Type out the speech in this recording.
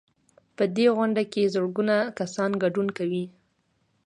په دې غونډه کې زرګونه کسان ګډون کوي.